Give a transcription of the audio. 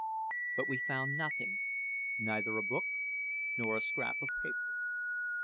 But we found nothing neither a book nor a scrap of paper.